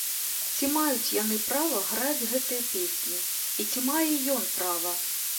Ці маюць яны права граць гэтыя песні і ці мае ён права?